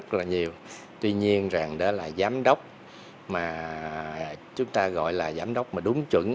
tuy nhiên rằng đó là giám đốc mà chúng ta gọi là giám đốc mà đúng chuẩn